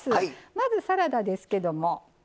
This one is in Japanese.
まずサラダですけども。